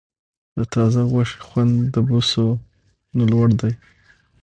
د تازه غوښې خوند د بوسو نه لوړ دی.